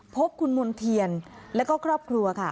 พบคุณมณ์เทียนแล้วก็ครอบครัวค่ะ